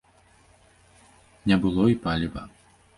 Не было і паліва.